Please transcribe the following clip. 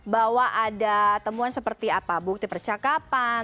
bahwa ada temuan seperti apa bukti percakapan